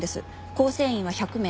構成員は１００名。